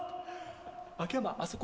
秋山あそこ